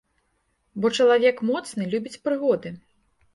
Бо чалавек моцны любіць прыгоды.